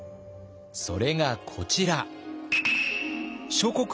それがこちら。